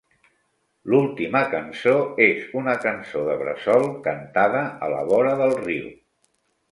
L'última cançó és una cançó de bressol cantada a la vora del riu.